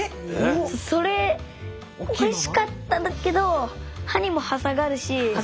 それおいしかったんだけど歯にもはさがるし。